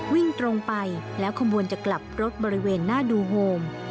วิ่งตรงไปแล้วขบวนจะกลับรถบริเวณหน้าดูโฮม